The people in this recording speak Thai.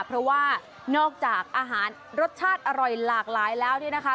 เพราะว่านอกจากอาหารรสชาติอร่อยหลากหลายแล้วเนี่ยนะคะ